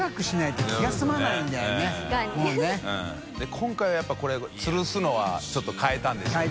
今回はやっぱりこれつるすのは舛腓辰変えたんでしょうね。